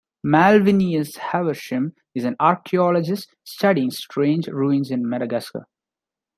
Malvineous Havershim is an archaeologist studying strange ruins in Madagascar.